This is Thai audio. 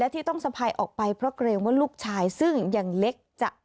ที่ต้องสะพายออกไปเพราะเกรงว่าลูกชายซึ่งยังเล็กจะ